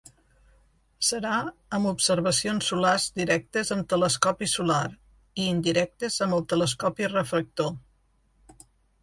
Serà amb observacions solars directes amb telescopi solar i indirectes amb el telescopi refractor.